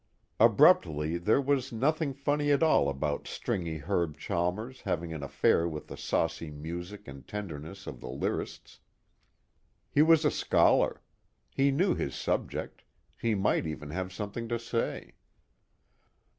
Abruptly, there was nothing funny at all about stringy Herb Chalmers having an affair with the saucy music and tenderness of the Lyrists. He was a scholar; he knew his subject; he might even have something to say.